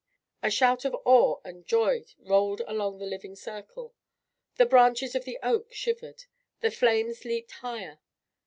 A shout of awe and joy rolled along the living circle. The branches of the oak shivered. The flames leaped higher.